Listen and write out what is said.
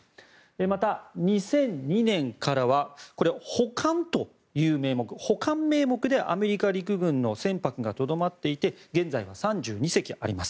また、２００２年からは保管という名目でアメリカ陸軍の船舶がとどまっていて現在は３２隻あります。